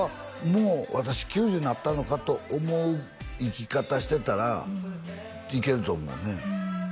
もう私９０になったのかと思う生き方してたらいけると思うね